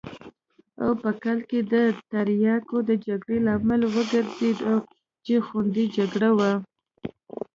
او په کال کې د تریاکو د جګړې لامل وګرځېد چې خونړۍ جګړه وه.